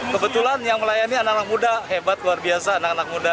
kebetulan yang melayani anak anak muda hebat luar biasa anak anak muda